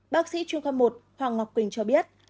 bác sĩ trung cấp một hoàng ngọc quỳnh cho biết